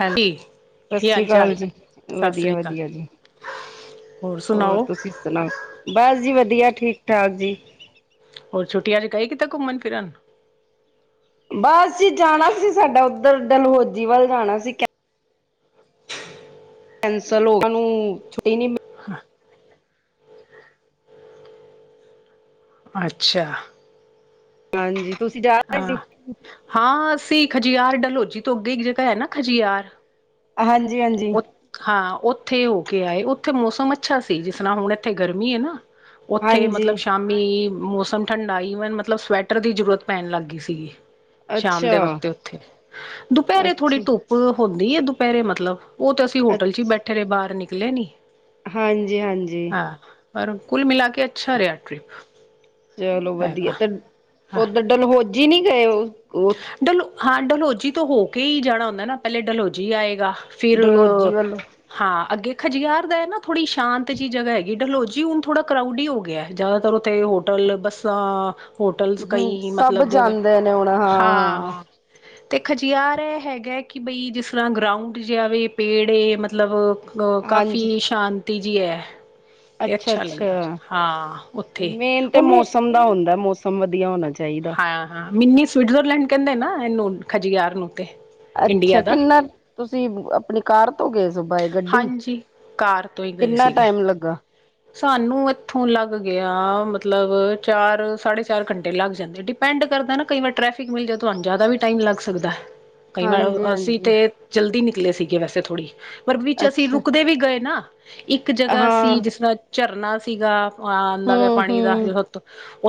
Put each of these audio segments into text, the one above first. ਹਾਂਜੀ ਸਤਿ ਕੀ ਸ਼੍ਰੀ ਹਾਲ ਚਾਲ ਅਕਾਲ ਜੀ, ਸਤਿ ਸ੍ਰੀ ਅਕਾਲ ਵਧੀਆ-ਵਧੀਆ ਜੀ। ਹੋਰ, ਤੁਸੀਂ ਸੁਣਾਓ? ਬਸ ਜੀ, ਵਧੀਆ ਠੀਕ-ਠਾਕ ਜੀ। ਹੋਰ ਛੁੱਟੀਆਂ'ਚ ਗਏ ਕਿਤੇ, ਘੁੰਮਣ-ਫਿਰਨ? ਬਸ ਜੀ ਜਾਣਾ ਸੀ, ਸਾਡਾ ਉੱਧਰ ਡਲਹੋਜੀ ਵੱਲ ਜਾਣਾ ਸੀ ਕੈਂਸਲ ਹੋ--ਉਹਨਾਂ ਨੂੰ ਛੁੱਟੀ ਨੀ ਮਿਲ ਅੱਛਾ। ਹਾਂਜੀ, ਤੁਸੀ ਜਾ ਰਹੇ ਹਾਂ ਸੀ? ਹਾਂ, ਅਸੀ ਖਜਿਆਰ ਡਲਹੋਜੀ ਤੋਂ ਅੱਗੇ ਇੱਕ ਜਗ੍ਹਾ ਹੈ ਨਾ, ਖਜਿਆਰ। ਹਾਂਜੀ-ਹਾਂਜੀ। ਉ ਹਾਂ, ਉੱਥੇ ਹੋਕੇ ਆਏ, ਉੱਥੇ ਮੌਸਮ ਅੱਛਾ ਸੀ ਜਿਸ ਤਰ੍ਹਾਂ ਹੁਣ ਇੱਥੇ ਗਰਮੀ ਏ ਨਾ। ਓਥੇ ਹਾਂਜੀ ਮਤਲਬ, ਸ਼ਾਮ ਵੀ, ਮੌਸਮ ਠੰਡਾ ਈਵਨ ਮਤਲਬ ਸਵੈਟਰ ਦੀ ਜਰੂਰਤ ਪੈਣ ਲੱਗਗੀ ਸੀਗੀ। ਸ਼ਾਮ ਅੱਛਾ ਦੇ ਵਕਤੇ ਉੱਥੇ, ਦੁਪਹਿਰੇ ਥੋੜ੍ਹੀ ਅੱਛਾ ਧੁੱਪ ਹੋਂਦੀ ਏ, ਦੁਪਹਿਰੇ ਮਤਲਬ। ਓਹ ਤੇ ਅਸੀਂ ਹੋਟਲ'ਚ ਈ ਬੈਠੇ ਰਹੇ, ਬਾਹਰ ਨਿਕਲੇ ਨੀ। ਹਾਂਜੀ-ਹਾਂਜੀ। ਹਾਂ, ਪਰ ਕੁੱਲ ਮਿਲਾਕੇ ਅੱਛਾ ਰਿਹਾ, ਟ੍ਰਿਪ। ਚਲੋ ਹੈਗਾ। ਵਧੀਆ, ਤੇ ਹਾਂ ਓਦਰ ਡਲਹੋਜੀ ਨਹੀ ਗਏ? ਡਲੋ, ਹਾਂ ਡਲਹੋਜੀ ਤੋਂ ਹੋਕੇ ਹੀ ਜਾਣਾ ਹੁੰਦਾ ਨਾ, ਪਹਿਲੇ ਡਲਹੋਜੀ ਆਏਗਾ। ਫਿਰ ਡਲਹੋਜੀ ਵੱਲੋਂ ਹਾਂ, ਅੱਗੇ ਖਜਿਆਰ ਦਾ ਐ ਨਾ, ਥੋੜੀ ਸ਼ਾਂਤ ਜਿਹੀ ਜਗ੍ਹਾ ਹੈਗੀ, ਡਲਹੋਜੀ ਹੁਣ ਥੋੜਾ ਕਰਾਊਡੀ ਹੋਗਿਆ। ਜ਼ਿਆਦਾਤਰ ਉੱਥੇ ਹੋਟਲ, ਬੱਸਾਂ, ਹੋਟਲਸ ਹਮ ਕਈ ਸਭ ਮਤਲਬ ਜਗ੍ਹਾ ਜਾਂਦੇ ਨੇ ਓਣਾ। ਹਾਂ। ਤੇ ਖਜਿਆਰ ਏ ਹੈਗਾ ਕਿ ਬਈ ਜਿਸ ਤਰਾ ਗਰਾਊਂਡ ਜਿਆ ਵੇ ਪੇੜ ਏ ਮਤਲਬ ਅ ਹਾਂਜੀ ਕਾਫ਼ੀ ਸ਼ਾਂਤੀ ਜੀ ਐ। ਤੇ ਅੱਛਾ ਲੱਗਦਾ ਹਾਂ ਓਥੇ ਮੇਨ ਤੇ ਓਨੂੰ ਮੌਸਮ ਹੁੰਦਾ ਏ ਮੌਸਮ ਵਧੀਆ ਹੋਨਾ ਚ ਹਾਂ ਹਾਂ ਮਿੰਨੀ ਸਵੀਟਜ਼ਰਲੈਂਡ ਕੇਂਦੇ ਨਾ ਏਨੂੰ ਖਜਿਆਰ ਨੂੰ ਤੇ। ਅੱਛਾ ਇੰਡੀਆ ਦਾ ਕਿੰਨਾ ਤੁਸੀਂ ਅਪਣੀ ਕਾਰ ਤੋਂ ਗਏ ਸੋ ਬਯ ਗੱਡੀ ਹਾਂਜੀ ਕਾਰ ਤੋਂ ਹੀ ਗਏ ਕਿੰਨਾ ਸੀਗੇ ਟਾਈਮ ਲੱਗਾ? ਸਾਨੂੰ ਇੱਥੋਂ ਲੱਗ ਗਆ ਮਤਲਬ ਚਾਰ ਸਾਢੇ ਚਾਰ ਘੰਟੇ ਲੱਗ ਜਾਂਦੇ ਡੀਪ ਨਡ ਕਰਦਾ ਨਾ ਕਈ ਵਾਰ ਟ੍ਰੈਫਿਕ ਮਿਲ ਜੇ ਤੁਆਨੂੰ ਜਾਦਾ ਵੀ ਟਾਈਮ ਲੱਗ ਸਕਦਾ ਕਈ ਵਾਰ ਹਾਂਜੀ ਅਸੀਂ ਹਾਂਜੀ ਤੇ ਜਲਦੀ ਨਿਕਲੇ ਸੀਗੇ ਵੈਸੇ ਥੋੜੀ ਪਰ ਵਿੱਚ ਅਸੀਂ ਅੱਛਾ। ਰੁਕਦੇ ਵੀ ਗਏ ਨਾ। ਇੱਕ ਜਗਾ ਹਾਂ ਸੀ ਜਿਸਰਾ ਝਰਨਾ ਸੀਗਾ। ਆ ਆਂਦਾ ਪਆ ਹੂੰ ਪਾਣੀ ਦਾ ਹੂੰ ਹਰਵਕਤ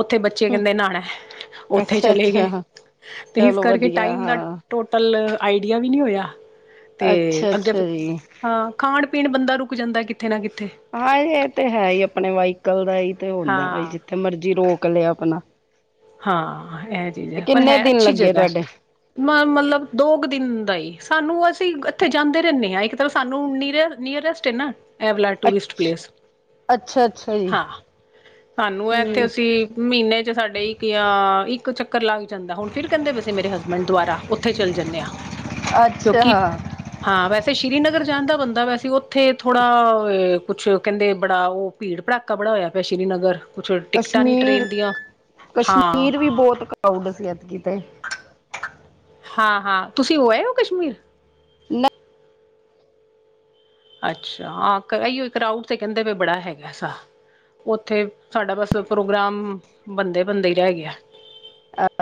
ਓਥੇ ਬੱਚੇ ਹੂੰ ਕੇਂਦੇ ਨਾਣਾ ਐ। ਅੱਛਾ ਅੱਛਾ। ਤੇ ਇਸ ਚਲੋ ਕਰਕੇ ਵਧੀਆ ਟਾਈਮ ਦਾ ਹਾਂ ਟੋਟਲ ਆਈਡੀਆ ਵੀ ਨੀ ਹੋਆ। ਤੇ ਅੱਛਾ ਅੱਗੇ ਅੱਛਾ ਫੇਰ ਜੀ। ਹਾ ਖਾਣ ਪੀਣ ਬੰਦਾ ਰੁਕ ਜਾਂਦਾ ਏ ਕਿੱਥੇ ਨਾ ਕਿੱਥੇ। ਹਾਂ ਏ ਤੇ ਹੈ ਈ ਏ ਅਪਨੇ ਵਾਈਕਲ ਦਾ ਏ ਈ ਤੇ ਹਾਂ ਹੁੰਦਾ ਐ ਬਈ ਜਿੱਥੇ ਮਰਜੀ ਰੋਕ ਲਆ ਅਪਨਾ। ਹਾਂ ਏਹ ਚੀਜ ਐ ਪਰ ਕਿੰਨੇ ਹੈ ਦਿਨ ਅੱਛੀ ਲੱਗੇ ਜਗਾ ਐ। ਤੁਹਾਡੇ ਮਨ ਮਤਲਬ ਦੋ ਕੁ ਦਿਨ ਦਾ ਈ ਸਾਨੂੰ ਅਸੀਂ ਐਥੇ ਜਾਂਦੇ ਰੇਂਨੇ ਆ ਇਕ ਤਾਂ ਸਾਨੂੰ ਨੀਅਰ ਨੀਅਰੇਸਟ ਟੇਨਾ। ਏਹ ਵਾਲਾ ਟੂਰਿਸਟ ਅੱਛ ਪਲੇਸ ਅੱਛਾ ਅੱਛਾ ਜੀ। ਹਾਂ, ਸਾਨੂੰ ਐਥੇ ਹੂੰ ਅਸੀ ਮੀਨੇ ਚ ਸਾਡੇ ਈ ਕਿਆ ਇੱਕ ਚੱਕਰ ਲੱਗ ਜਾਂਦਾ ਹੁਨ ਫੇਰ ਕੇਂਦੇ ਪਏ ਸੀ ਮੇਰੇ ਹਸਬੈਂਡ ਦੁਬਾਰਾ ਓਥੇ ਈ ਚੱਲੇ ਜਾਨੇ ਆ। ਅੱਛਾ। ਕਿਉਂਕਿ ਹਾਂ ਵੈਸੇ ਸ਼੍ਰੀਨਗਰ ਜਾਨ ਦਾ ਬੰਦਾ ਪਯਾ ਸੀ ਓਥੇ ਥੋੜਾ ਕੁਛ ਕੇਂਦੇ ਬੜਾ ਓਹ ਭੀੜ ਭੜਾਕਾ ਬੜਾ ਹੋਇਆ ਪਆ ਐ ਸ਼੍ਰੀਨਗਰ ਕੁਛ ਟਿਕਟਾਂ ਨੀ ਕਸ਼ਮੀਰ ਟਰੇਨ ਦੀਆ ਕਸ਼ਮੀਰ ਵੀ ਬੋਤ ਕਰਾਊਡ ਸੀ ਐਤਕੀ ਤੇ। ਹਾਂ ਹਾਂ ਤੁਸੀਂ ਹੋ ਆਏ ਓ ਕਸ਼ਮੀਰ? ਨ ਅੱਛਾ ਹਾਂ ਕਰ ਐਹੀਓ ਕੀ ਕਰਾਊਡ ਤੇ ਕੇਂਦੇ ਪਯੇ ਬੜਾ ਹੈਗਾ ਸਾ। ਓਥੇ ਸਾਡਾ ਬਸ ਪ੍ਰੋਗਰਾਮ ਬਨਦੇ ਬਨਦੇ ਈ ਰਹ ਗਆ ਐ।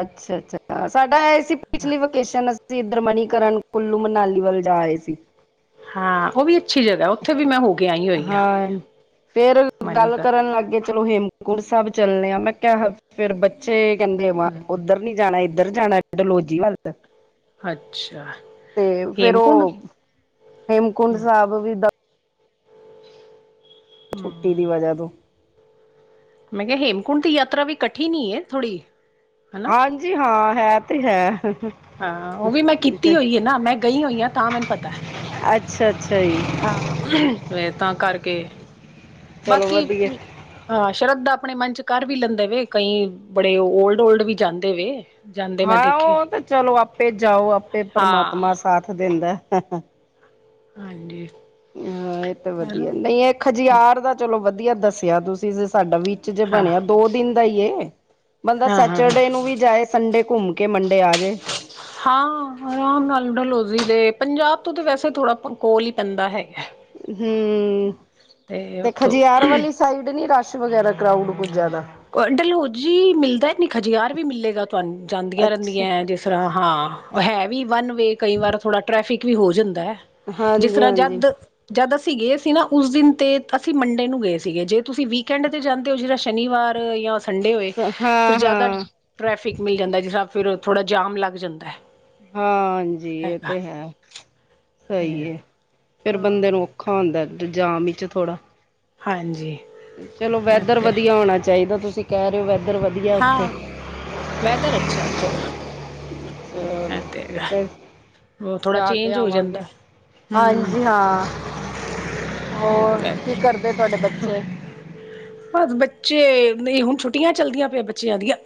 ਅੱਛਾ ਅੱਛਾ ਸਾਡਾ ਏਹ ਸੀ ਪਿਛਲੀ ਵਕੇਸ਼ਨ ਅਸੀਂ ਐਧਰ ਮਨੀਕਰਨ ਕੁੱਲੂ ਮਨਾਲੀ ਵੱਲ ਜਾ ਆਏ ਸੀ। ਹਾਂ ਓ ਵੀ ਅੱਛੀ ਜਗਾ ਐ ਓਥੇ ਵੀ ਮੈ ਹੋ ਕੇ ਆਈ ਹੋਈ ਹਾਂ ਫੇਰ ਗੱਲ ਮਨੀਕਰ ਕਰਨ ਲੱਗ ਗੇ ਚਲੋ ਹੇਮ ਹੇਮਕੁਣ ਸਾਹਿਬ ਚੱਲਨੇ ਆ ਮੈਂ ਕਆ ਫਿਰ ਬੱਚੇ ਕੇਂਦੇ ਵਾ ਹੂੰ, ਓਦਰ ਨੀ ਜਾਣਾ ਐਦਰ ਜਾਣਾ ਡਲਹੌਜੀ ਵੱਲ। ਅੱਛਾ ਤੇ ਫੇਰ ਹੇਮਕੁੰਡ ਓਹ ਹੇਮਕੁੰਡ ਸਾਹਿਬ ਵੀ ਦ ਛੁੱਟੀ ਦੀ ਵਜਾ ਤੋਂ। ਮੈਂ ਕਆ ਹੇਮਕੁੰਡ ਦੀ ਯਾਤਰਾ ਵੀ ਕਠਿਨ ਈ ਐ ਥੋੜੀ। ਹਾਂਜੀ ਹਾਂ ਹੇ ਤੇ ਹੈ। ਹਾਂ ਓ ਵੀ ਮੈਂ ਕੀਤੀ ਹੋਈ ਏ ਨਾ ਮੈਂ ਗਈ ਹੋਈ ਆ ਤਾਂ ਮੈਨੂੰ ਪਤਾ ਐ। ਅੱਛਾ ਅੱਛਾ ਜੀ। ਹਾਂ ਏ ਤਾਂ ਕਰਕੇ ਚਲੋ ਬਾਕੀ ਵਧੀਆ ਹਾਂ! ਸ਼ਰਧਾ ਆਪਣੇ ਮਨ 'ਚ ਕਰ ਵੀ ਲੈਂਦੇ ਵੇ ਕਈ ਬੜੇ ਓਲਡ ਓਲਡ ਵੀ ਜਾਂਦੇ ਹੋਏ। ਹਾਂ! ਓ ਤੇ ਚਲੋ ਆਪੇ ਜਾਓ ਆਪੇ ਹਾਂ ਪਰਮਾਤਮਾ ਸਾਥ ਦੇਦਾ। ਹਾਂਜੀ! ਹਾਂ! ਏ ਤਾਂ ਹੈਲੋ ਵਧੀਆ ਨੀ ਏ ਖਜਿਆਰ ਦਾ ਚਲੋ ਵਧੀਆ ਦੱਸਿਆ ਤੁਸੀਂ। ਸਾਡਾ ਵਿੱਚ ਜੇ ਹਾਂ ਬਣਿਆ ਦੋ ਦਿਨ ਦਾ ਈ ਏ ਬੰਦਾ ਹਾਂ ਹਾਂ ਸੈਚਡੇ ਹਾਂ ਨੂੰ ਵੀ ਜਾਏ। ਸੰਡੇ ਘੁੰਮ ਕੇ ਮੰਡੇ ਆ ਜੇ। ਹਾਂ! ਆਰਾਮ ਨਾਲ ਡਲਹੌਜ਼ੀ ਤੇ ਪੰਜਾਬ ਤੋਂ ਤਾਂ ਵੈਸੇ ਥੋੜ੍ਹਾ ਕੋਲ ਈ ਪੈਂਦਾ ਹੈਗਾ। ਹੂੰ, ਤੇ ਖਜਿਆਰ ਵਾਲ਼ੀ। ਸਾਈਡ ਨੀ ਰਸ਼ ਵਗੈਰਾ ਕਰਾਊਡ ਕੁਝ ਜ਼ਿਆਦਾ। ਡਲਹੌਜ਼ੀ ਮਿਲਦਾ ਨੀ ਖਜਿਆਰ ਵੀ ਮਿਲੇਗਾ ਤੁਹਾਨੂੰ ਜਾਂਦੀਆਂ ਅੱਛਾ ਰਹਿੰਦੀਆਂ ਐ ਜਿਸ ਤਰ੍ਹਾਂ ਹਾਂ ਹੈ ਵੀ ਵਨ ਵੇ ਕਈ ਵਾਰ ਥੋੜ੍ਹਾ ਟ੍ਰੈਫਿਕ ਵੀ ਹੋ ਜਾਂਦਾ। ਜਿਸ ਹਾਂਜੀ ਤਰ੍ਹਾਂ ਹਾਂਜੀ ਜਦ। ਜਦ ਅਸੀਂ ਗਏ ਸੀ ਨਾ ਉਸ ਦਿਨ ਤੇ ਅਸੀਂ ਮੰਡੇ ਨੂੰ ਗਏ ਸੀਗੇ ਜੇ ਤੁਸੀਂ ਵੀਕਐਂਡ ਤੇ ਜਾਂ, ਤੇ ਓ ਜਿਹੜਾ ਸ਼ਨੀਵਾਰ ਜਾਂ ਸੰਡੇ ਹੋਏ ਫਿਰ ਹਾਂ ਜ਼ਿਆਦਾ। ਹਾਂ। ਟ੍ਰੈਫਿਕ ਮਿਲ ਜਾਂਦਾ। ਜਿਸ ਤਰ੍ਹਾਂ ਫਿਰ ਓ ਥੋੜਾ ਜਾਮ ਲੱਗ ਜਾਂਦਾ। ਹਾਂਜੀ! ਏ ਹੈਗਾ ਤੇ ਹੈ ਸਈ ਤੇ ਐ ਫੇਰ ਬੰਦੇ ਹਾਂ ਨੂੰ। ਔਖਾ ਹੁੰਦਾ ਜਾਮ ਵਿੱਚ ਥੋੜ੍ਹਾ। ਹਾਂਜੀ। ਚਲੋ ਇਹ ਵੈਦਰ ਤੇ ਵਧੀਆ ਹੋਣਾ ਚਾਹੀਦਾ ਤੁਸੀਂ ਕੈ ਰੇ ਓ ਵੈ। ਹਾਂ, ਵੈਦਰ ਅੱਛਾ ਓਥੇ ਦਾ। ਐ ਤੇ ਹੈਗਾ ਓ ਥੋੜਾ ਜਾ ਕੇ ਚੇਂਜ ਹੋ ਜਾਂਦਾ। ਆਵਾਂਗੇ ਹੂੰ ਹਾਂਜੀ ਹਾਂ, ਹੋਰ ਕੀ ਕਰਦੇ ਤੁਹਾਡੇ ਬੱਚੇ? ਬਸ ਬੱਚੇ ਨਈ ਹੁਣ ਛੁੱਟੀਆਂ ਚੱਲਦੀਆਂ ਪਈਆਂ ਬੱਚਿਆਂ ਦੀਆਂ।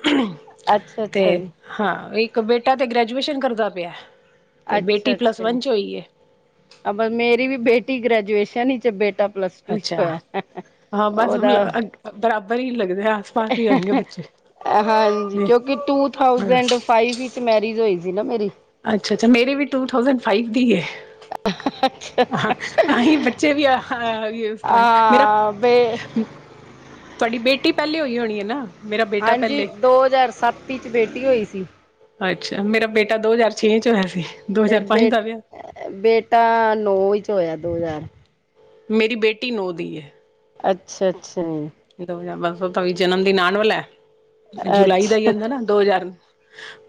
ਅੱਛਾ ਤੇ ਅੱਛਾ ਜੀ ਹਾਂ ਇੱਕ ਬੇਟਾ ਤੇ ਗ੍ਰੈਜੂਏਸ਼ਨ ਕਰਦਾ ਪਿਆ। ਤੇ ਬੇਟੀ ਪਲੱਸ ਵੰਨ ਚ ਹੋਈ ਏ। ਅਬਲ ਮੇਰੀ ਵੀ ਬੇਟੀ ਗ੍ਰੈਜੂਏਸ਼ਨ ਵਿੱਚ ਬੇਟਾ ਪਲੱਸ ਟੂ ਚ ਅੱਛਾ ਹੋਇਆ ਹਾਂ ਬਸ ਓਦਾ। ਬਰਾਬਰ ਈ ਲੱਗਦੈ। ਹਾਂਜੀ, ਹਾਂ ਕਿਉਂਕਿ ਟੂ ਥਾਊਸੈਂਡ ਫਾਈਵ। ਵਿੱਚ ਮੈਰਿਜ ਹੋਈ ਸੀ ਨਾ ਮੇਰੀ। ਅੱਛਾ, ਅੱਛਾ ਮੇਰੀ ਵੀ ਟੂ ਥਾਸੈਂਡ ਫਾਈਵ ਦੀ ਏ। ਹਾਂ, ਤਾਂਹੀ ਬੱਚੇ ਵੀ ਇਸ ਤਰਾਂ ਈ ਮੇਰਾ। ਆ ਬੇ ਤੁਹਾਡੀ ਬੇਟੀ ਪਹਿਲੇ ਹੋਈ ਹੋਣੀ ਐ ਨਾ। ਮੇਰਾ ਬੇਟਾ ਹਾਂਜੀ, ਪਹਿਲੇ ਦੋ ਹਜ਼ਾਰ ਸੱਤ ਵਿੱਚ ਬੇਟੀ ਹੋਈ ਸੀ। ਅੱਛਾ, ਮੇਰਾ ਬੇਟਾ ਦੋ ਹਜ਼ਾਰ ਛੇ ਚ ਹੋਇਆ ਸੀ। ਦੋ ਤੇ ਹਜ਼ਾਰ ਬੇ ਪੰਜ ਦਾ ਵਿਆਹ ਬੇਟਾ ਨੌ ਵਿੱਚ ਹੋਇਆ ਦੋ ਹਜ਼ਾਰ। ਮੇਰੀ ਬੇਟੀ ਨੌ ਦੀ ਈ ਐ। ਅੱਛਾ, ਅੱਛਾ ਜੀ। ਦੋ ਹਜ਼ਾਰ ਬਸ ਓਦਾ ਕਵੀ ਜਨਮ ਦਿਨ ਆਣ ਵਾਲੈ ਜੁਲਾਈ ਦਾ ਈ ਅੱਛਾ ਹੁੰਦਾ ਨਾ ਦੋ ਹਜ਼ਾਰ।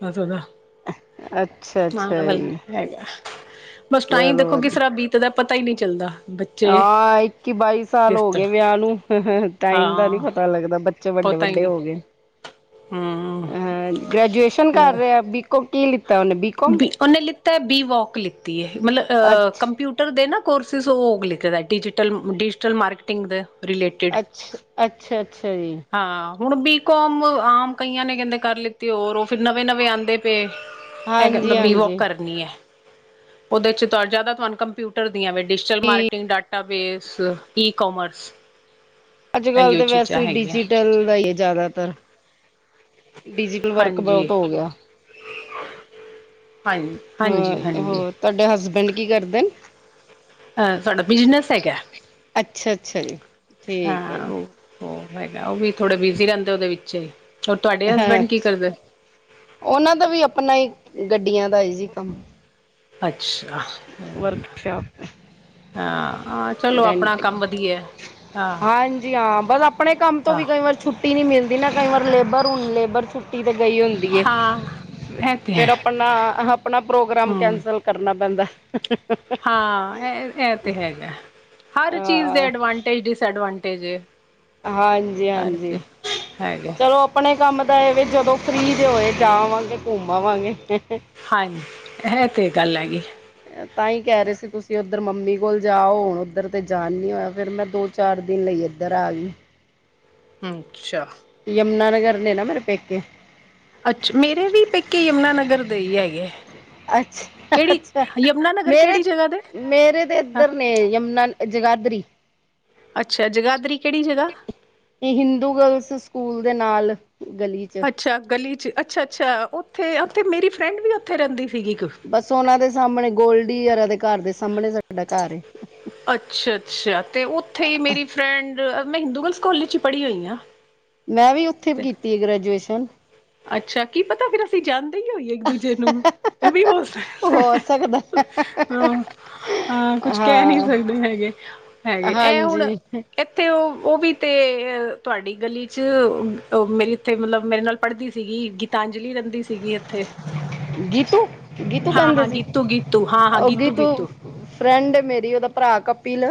ਕਦੋਂ ਦਾ ਅੱਛਾ ਆਣ ਅੱਛਾ ਵਾਲਾ ਜੀ ਹੈਗਾ। ਬਸ ਟਾਈਮ ਚਲੋ ਵੇਖੋ ਕਿਸ ਤਰਾ ਬੀਤ ਦਾ ਪਤਾ ਈ ਨੀ ਚੱਲਦਾ। ਬੱਚੇ ਆ ਇੱਕੀ ਬਾਈ ਸਾਲ ਕਿਸ ਹੋਗੇ ਤਰ੍ਹਾਂ ਵਿਆਹ ਨੂੰ ਟਾਈਮ ਦਾ ਨੀ ਹਾਂ ਪਤਾ ਲੱਗਦਾ। ਬੱਚੇ ਵੱਡੇ ਪਤਾ ਹੀ ਵੱਡੇ ਨਹੀਂ ਹੋਗੇ ਹਮ ਅ ਗ੍ਰੈਜੂਏਸ਼ਨ ਕਰ ਲੱਗ ਰਿਆ ਬੀ। ਬੀ ਓਨੇਲਿੱਤਾ ਬੀ ਵੋਕ ਲਿੱਤੀ ਏ ਮਤਲਬ ਆ ਅੱਛਾ ਕੰਪਿਊ ਟਰ ਦੇ ਨਾ ਕੋਰਸਿਸ ਓ ਲਿਖਦਾ ਡਿਜਟਲ ਡਿਜਟਲ ਮਾਰਕੀਟਿੰਗ ਦੇ। ਰਿਲੇਟਿਡ ਅੱਛ, ਅੱਛਾ-ਅੱਛਾ ਜੀ। ਹਾਂ ਹੁਣ ਬੀ ਕੋਮ ਆਮ ਕਈਆਂ ਨੇ ਕਹਿੰਦੇ ਕਰ ਲਿੱਤੀ ਹੋਰ ਓ ਫਿਰ ਨਵੇਂ-ਨਵੇਂ ਆਂਦੇ ਪੇ। ਏ ਕ ਹਾਂਜੀ ਮਤਲਬ ਬੀ ਕੋਮ ਹਾਂਜੀ ਕਰਨੀ ਐ। ਉਦੇ 'ਚ ਤੁਹਾ ਜਿਆਦਾ ਤੁਹਾਨੂੰ ਕੰਪਿਊਟਰ ਦੀਆਂ ਵੀ ਡਿਜ਼ਟਲ ਠੀਕ ਮਾਰਕਟਿੰਗ ਡਾ ਟਾ ਬੇਸ ਈ ਕੋਮਰਸ। ਅੱਜ-ਕੱਲ 'ਤੇ ਵੈਸੇ ਡਿਜ਼ੀਟਲ ਦਾ ਈ ਏ ਜ਼ਿਆਦਾਤਰ। ਡਿਜ਼ੀਟਲ ਵਰਕ ਬੋਤ ਹੋ ਗਿਆ। ਹਂ ਹਾਂ ਹਾਂਜੀ-ਹਾਂਜੀ। ਹੋਰ ਤੁਹਾਡੇ ਹਜਬੈਂਡ ਕੀ ਕਰਦੇ ਅਨ? ਅ ਸਾਡਾ ਬਿਜ਼ਨਸ ਐਗਾ। ਅੱਛਾ-ਅੱਛਾ ਜੀ। ਠੀਕ ਹੈ ਹਾਂ ਜੀ ਓ, ਓ ਹੈਗਾ ਓ ਵੀ ਥੋੜੇ ਬਿਜੀ ਰਹਿੰਦੇ ਉਦੇ ਵਿੱਚ ਈ। ਔ ਤੁਹਾਡੇ ਹਸਬੈਂਡ ਕੀ ਕਰਦੇ? ਉਨਾਂ ਦਾ ਵੀ ਆਪਣਾ ਈ ਗੱਡੀਆਂ ਦਾ ਜੀ ਕੰਮ। ਅੱਛਾ ਹਾਂਜੀ। ਵਰਕਸ਼ਾਪ ਅ ਆ ਚਲੋ ਆਪਣਾ ਡੈਂਟਿੰਗ ਕੰਮ ਵਧੀਐ। ਹਾਂਜੀ ਹਾਂ ਬਸ ਆਪਣੇ ਕੰਮ ਤੋਂ ਵੀ ਹਾਂ ਕਈ ਵਾਰ ਛੁੱਟੀ ਨੀ ਮਿਲਦੀ ਨਾ ਕਈ ਵਾਰ ਲੇ ਬਰ ਹੁਣ ਲੇਬਰ ਛੁੱਟੀ 'ਤੇ ਗਈ ਹੁੰਦੀ ਏ। ਹਾਂ ਇਹ ਤੇ ਹੈ ਫੇਰ ਆਪਣਾ, ਆਪਣਾ ਪ੍ਰੋਗਰਾਮ ਹਮ ਕੈਂਸਲ ਕਰਨਾ ਪੈਂਦਾ। ਹਾਂ ਐ 'ਤੇ ਹੈਗਾ ਹਰ ਚੀਜ਼ ਦੇ ਹਾਂ ਐਡਵਾਂਟੇਜ-ਡਿਸਐਡਵਾਂਟੇਜ ਏ। ਹਰ ਹਾਂਜੀ-ਹਾਂਜੀ, ਚੀਜ਼ ਹੈਗਾ ਚਲੋ ਆ ਪਣੇ ਕੰਮ ਦਾ ਏ ਵੇ ਜਦੋਂ ਫਰੀ ਜੇ ਹੋਏ ਜਾਂ ਆਵਾਂਗੇ, ਘੁੰਮ ਆਵਾਂਗੇ। ਹਨ ਹੇ 'ਤੇ ਗੱਲ ਹੈਗੀ। ਤਾਂ ਈ ਕਹਿ ਰੇ ਸੀ ਤੁਸੀਂ ਉੱਧਰ ਮੰਮੀ ਕੋਲ ਜਾਓ ਹੁਣ ਉੱਧਰ 'ਤੇ ਜਾਣ ਨੀ ਹੋਇਆ ਫਿਰ ਮੈਂ ਦੋ ਚਾਰ ਦਿਨ ਲਈ ਏਧਰ ਆਗੀ। ਅੱਛਾ। ਯਮੁਨਾ ਨਗਰ ਨੇ ਨਾ ਮੇਰੇ ਪੇਕੇ। ਅੱਛਾ ਮੇਰੇ ਵੀ ਪੇਕੇ ਯਮੁਨਾ ਨਗਰ ਦੇ ਈ ਐਗੇ। ਅੱਛ ਅੱਛਾ ਨਗਰ ਮੇਰੇ, ਕਿਹੜੀ ਜਗ੍ਹਾ ਦੇ ਮੇਰੇ 'ਤੇ ਹਾਂ ਏਧਰ ਨੇ ਯਮੁਨਾ ਜਗਾਦਰੀ। ਅੱਛਾ ਜਗਾਦਰੀ ਕਿਹੜੀ ਜਗਾ? ਹਿੰਦੂ ਗਲਸ ਸਕੂਲ ਦੇ ਨਾਲ। ਗਲੀ ਚ ਅੱਛਾ ਗਲੀ 'ਚ ਅੱਛਾ-ਅੱਛਾ ਉਥੇੇ, ਉਥੇ ਮੇਰੀ ਫਰੈਂਡ ਵੀ ਉੱਥੇ ਰਹਿੰਦੀ ਸੀਗੀ ਇਕ। ਬਸ ਉਨਾਂ ਦੇ ਸਾਹਮਣੇ ਗੋਲਡੀ ਉਰਾ ਦੇ ਘਰ ਦੇ ਸਾਹਮਣੇ ਸਾਡਾ ਘਰ ਏ ਅੱਛਾ-ਅੱਛਾ 'ਤੇ ਉੱਥੇ ਈ ਮੇਰੀ ਫਰੈਂਡ ਮੈਂ ਹਿੰਦੂ ਗਲਸ ਕੋਲਜ 'ਚ ਈ ਪੜੀ ਹੋਈ ਆ। ਮੈਂ ਵੀ ਉੱਥੇ ਕੀਤੀ ਏ ਗ੍ਰੈਜੂਏਸ਼ਨ। ਅੱਛਾ ਕੀ ਪਤਾ ਫਿਰ ਅਸੀਂ ਜਾਣਦੇ ਈ ਹੋਈਏ ਇੱਕ-ਦੂਜੇ ਨੂੰ ਐ ਵੀ ਹੋ ਹੋ ਸਕਦਾ ਸਕਦਾ ਐ, ਹਾ। ਹ ਕੁੱਛ ਕਹਿ ਨੀ ਹਾਂ ਸਕਦੇ ਹੈਗੇ, ਹੈਗੇ ਏ ਹੁਣ ਹਾਂਜੀ ਏਥੇ ਓ, ਓ ਵੀ 'ਤੇ ਤੁਹਾਡੀ ਗਲੀ 'ਚ ਮੇਰੀ ਇੱਥੇ ਮਤਲਬ ਮੇਰੇ ਨਾਲ ਪੜ੍ਹਦੀ ਸੀਗੀ ਗੀਤਾਂਜਲੀ ਰਹਿੰਦੀ ਸੀਗੀ। ਇੱਥੇ ਗੀਤੂ, ਗੀਤੂ ਹਾਂ ਕਹਿੰਦੇ ਹਾਂ ਸੀ, ਗੀਤੂ ਗੀਤੂ ਹਾਂ ਹਾਂ ਓ ਗੀਤੂ ਫਰੈਂਡ ਮੇਰੀ ਉਦਾ ਭਰਾ ਕਪਿਲ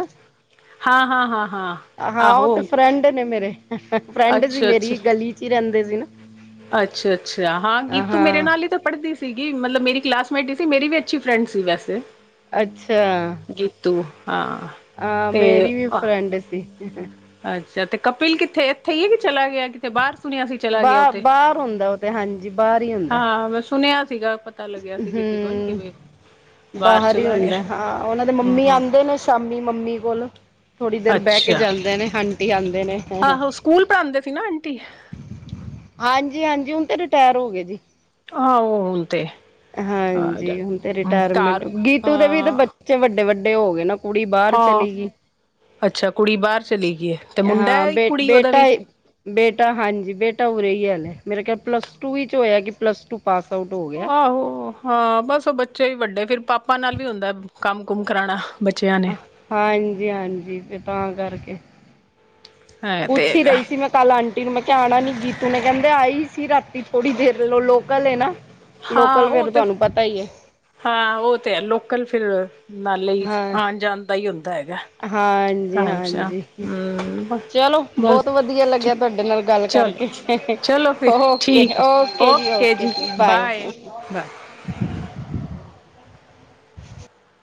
ਹਾਂ-ਹਾਂ-ਹਾਂ-ਹਾਂ। ਹਾਂ ਉਹ ਤੇ ਫਰੈਂਡ ਨੇ ਮੇਰੇ ਫਰੈਂਡ ਸੀ ਮੇਰੀ ਗਲੀ ਚ ਹੀ ਰਹਿੰਦੇ ਸੀ ਨਾ। ਅੱਛਾ-ਅੱਛਾ ਹਾਂ ਗੀਤੂ ਮੇਰੇ ਹਾਂ ਨਾਲ ਹੀ ਤੇ ਪੜ੍ਹਦੀ ਸੀ। ਸੀਗੀ ਮਤਲਬ ਮੇਰੀ ਕਲਾਸਮੇਟ ਹੀ ਸੀ ਮੇਰੀ ਵੀ ਅੱਛੀ ਫਰੈਂਡ ਸੀ ਵੈਸੇ। ਅੱਛਾ ਗੀਤੂ ਹਾਂ। ਆ ਤੇ ਮੇਰੀ ਵੀ ਫਰੈਂਡ ਸੀ। ਅੱਛਾ ਤੇ ਕਪਿਲ ਕਿੱਥੇ ਏਥੇ ਹੀ ਏ ਕੇ ਚਲਾ ਗਿਆ ਕ ਤੇ ਬਾਰ ਸੁਣਿਆ ਸੀ ਚਲਾ ਗਿਆ ਉ ਬਾਹ ਤੇ, ਬਾਹਰ ਹੁੰਦਾ ਉਹ ਤੇ ਹਾਂਜੀ ਹਾਂ ਮੈਂ ਸੁਣਿਆ ਸੀਗਾ ਪ ਹੂੰ ਬਾਹਰ ਹੀ ਚਲਾ ਗਿਆ ਹੁੰਦਾ ਹਾਂ ਉਹਨਾਂ ਦੇ ਮੰਮੀ ਹਮ ਆਂਦੇ ਨੇ ਸ਼ਾਮੀ ਮੰਮੀ ਕੋਲ। ਥੋੜ੍ਹੀ ਦੇਰ ਬਹਿ ਕੇ ਅੱਛਾ ਜਾਂਦੇ ਨੇ ਹੰਟੀ ਆਦੇ ਨੇ। ਆਹੋ ਸਕੂਲ ਪੜ੍ਹਾਦੇ ਸੀ ਨਾ ਆਂਟੀ। ਹਾਂਜੀ-ਹਾਂਜੀ ਹੁਣ ਤੇ ਰਿਟਾਇਰ ਹੋ ਗੇ ਜੀ। ਆਓ ਹੁਣ ਤੇ। ਹਾਂਜੀ ਹੁਣ ਤੇ ਰਿਟਾਇਰਮੈਂਟ ਘਰ ਗੀਤੂ ਦੇ ਵੀ ਤੇ ਬ ਹਾਂ ਚੇ ਵੱਡੇ-ਵੱਡੇ ਹੋ ਗੇ ਨਾ ਕੁੜੀ ਬਾਰ ਹਾਂ ਚਲੀ ਗੀ। ਅੱਛਾ ਕੁੜੀ ਬਾਰ ਚਲੀ ਗੀ ਏ। ਹਾਂ ਬੇ ਬੇਟਾ ਬੇਟਾ ਹਾਂਜੀ ਬੇਟਾ ਉਰੇ ਹੀ ਹੈ ਹੱਲੇ ਮੇਰੇ ਖਿਆ ਪਲੱਸ ਟੂ ਹੋਇਆ ਕਿ ਪਲੱਸ ਟੂ ਪਾਸ ਆਊਟ ਹੋ ਗਿਆ। ਆਹੋ ਹਾਂ ਬਸ ਉਹ ਬੱਚੇ ਵੀ ਵੱਡੇ ਫੇਰ ਪਾਪਾ ਨਾਲ ਵੀ ਹੁੰਦਾ ਕੰਮ ਕੁਮ ਕਰਾਣਾ। ਬਚਿਆਂ ਨੇ। ਹਾਂਜੀ-ਹਾਂਜੀ ਤੇ ਤਾਂ ਕਰਕੇ, ਹਾਂ ਤੇ ਉੱਛ ਹੀ ਹੈਗਾ ਰਹੀ ਸੀ ਮੈਂ ਕੱਲ ਆਂਟੀ ਨੂੰ ਮੈਂ ਕਿਹਾ ਆਣਾ ਨੀ ਗੀਤੂ ਨੇ ਕਹਿੰਦੇ ਆਈ ਸੀ ਰਾਤੀ ਥੋੜੀ ਦੇਰ ਲੋ ਲੋਕਲ ਏ ਨਾ। ਹਾਂ ਲੋਕਲ ਉਹ ਫੇਰ ਤੇ, ਤੁਹਾਨੂੰ ਪਤਾ ਹੀ ਹੈ ਹਾਂ ਉਹ ਤੇ ਹੈ ਲੋਕਲ ਫੇਰ ਨਾਲੇ ਹੀ ਆਣ ਜਾਣ ਦਾ ਹੀ ਹੁੰਦਾ ਹੈਗਾ। ਟਾਈਮ ਸਿਰ ਹਾਂਜੀ-ਹਾਂਜੀ ਹਮ ਚਲੋ ਬਸ ਬੌਤ ਵਧੀਆ ਲੱਗਿਆ ਤੁਹਾਡੇ ਨਾਲ ਗੱਲ ਚਲੋ ਕਰਕੇ। ਚਲੋ ਫਿਰ ਓਕੇ, ਠੀਕ ਓਕੇ ਜੀ-ਓਕੇ ਜੀ ਬਾਏ। ਬ